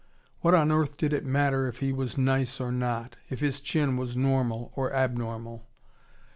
What on earth did it matter if he was nice or not, if his chin was normal or abnormal.